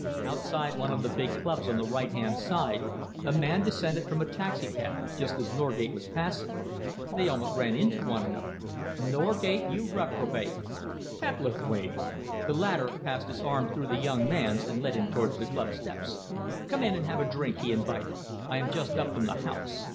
Outside one of the big clubs on the right hand side, a man descended from a taxicab just as Norgate was passing. They almost ran into one another. "Norgate, you reprobate!" "Hebblethwaite!" The latter passed his arm through the young man's and led him towards the club steps. "Come in and have a drink," he invited. "I am just up from the House.